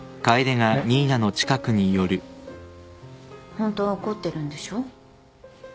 ホントは怒ってるんでしょ？